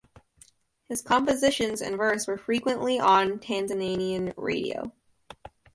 His compositions and verse were frequently on Tanzanian radio.